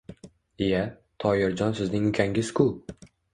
Iya, Toyirjon sizning ukangiz-ku!